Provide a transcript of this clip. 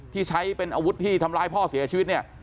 ที่ใช้เป็นอาวุธที่ทำร้ายพ่อเสียชีวิตเนี่ย